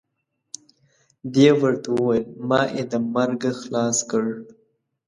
دې ورته وویل ما یې د مرګه خلاص کړ.